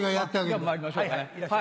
じゃまいりましょうかね。